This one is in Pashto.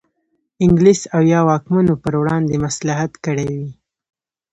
انګلیس او یا واکمنو پر وړاندې مصلحت کړی وي.